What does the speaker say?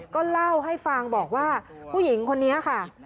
ก็เล่าให้ฟังบอกว่าผู้หญิงคนนี้ค่ะ